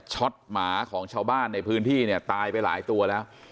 ็อตหมาของชาวบ้านในพื้นที่เนี่ยตายไปหลายตัวแล้ว